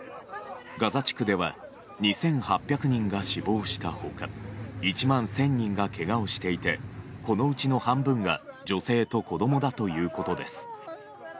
ガザ地区では２８００人が死亡した他１万１０００人がけがをしていてこのうちの半分が女性と子供だということです。